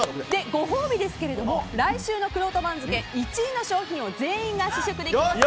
ご褒美ですけども来週のくろうと番付１位の商品を全員が試食できます。